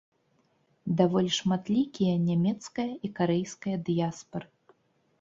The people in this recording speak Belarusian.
Даволі шматлікія нямецкая і карэйская дыяспары.